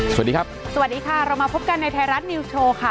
สวัสดีครับสวัสดีค่ะเรามาพบกันในไทยรัฐนิวส์โชว์ค่ะ